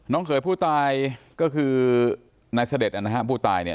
เขยผู้ตายก็คือนายเสด็จนะฮะผู้ตายเนี่ย